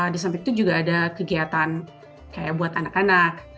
di samping itu juga ada kegiatan kayak buat anak anak